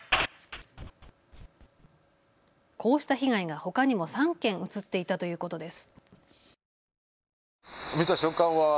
こうした被害がほかにも３件写っていたということです。